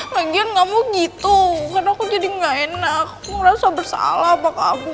lagian kamu gitu kan aku jadi nggak enak mau ngerasa bersalah sama kamu